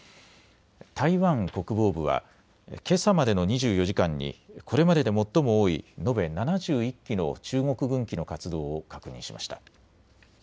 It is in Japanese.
台湾国防部はけさまでの２４時間にこれまでで最も多い延べ７１機の中国軍機の活動を確認しました。